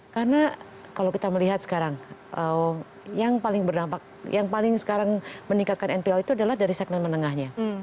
karena kalau kita melihat sekarang yang paling berdampak yang paling sekarang meningkatkan npl itu adalah dari segmen menengahnya